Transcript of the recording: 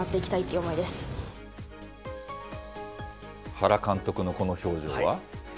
原監督のこの表情は。